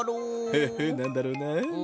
フフッなんだろうな？